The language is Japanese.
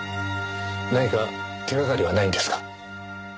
何か手がかりはないんですか？